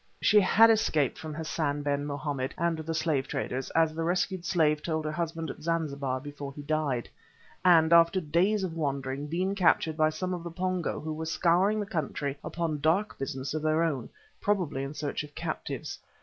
She had escaped from Hassan ben Mohammed and the slave traders, as the rescued slave told her husband at Zanzibar before he died, and, after days of wandering, been captured by some of the Pongo who were scouring the country upon dark business of their own, probably in search of captives.